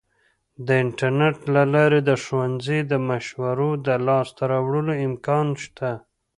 د انټرنیټ له لارې د ښوونځي د مشورو د لاسته راوړلو امکان شته.